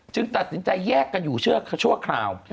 ตัดสินใจแยกกันอยู่ชั่วคราว